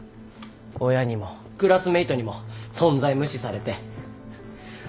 親にもクラスメートにも存在無視されて。